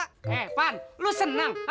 hei pan lu senang